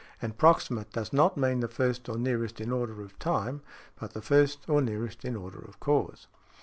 And proximate does not mean the first or nearest in order of time, but the first or nearest in order of cause .